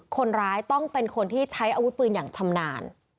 คนร้ายต้องเป็นคนที่ใช้อาวุธปืนอย่างชำนาญ